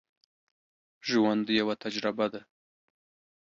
ژوند یوه تجربه ده